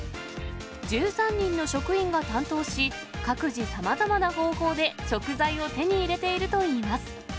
１３人の職員が担当し、各自、さまざまな方法で食材を手に入れているといいます。